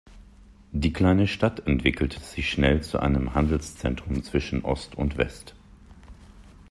Die kleine Stadt entwickelte sich schnell zu einem Handelszentrum zwischen Ost und West.